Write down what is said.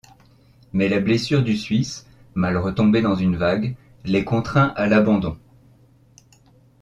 Mais la blessure du Suisse, mal retombé dans une vague, les contraint à l'abandon.